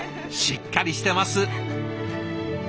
しっかりしてます。